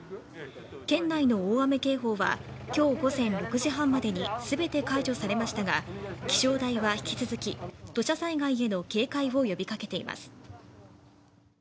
県内の大雨警報は今日午前６時半までに全て解除されましたが気象台は引き続き土砂災害への警戒を呼びかけています。